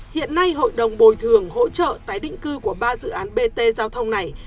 hiện nay hội đồng bồi thường hỗ trợ tái định cư của ba dự án bt giao thông này